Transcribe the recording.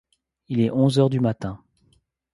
Il est onze heures du matin.